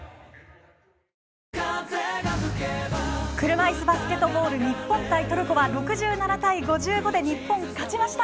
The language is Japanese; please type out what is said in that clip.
車いすバスケットボール日本対トルコは６７対５５で日本が勝ちました。